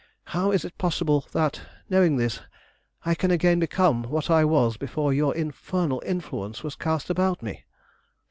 How is it possible that, knowing this, I can again become what I was before your infernal influence was cast about me?"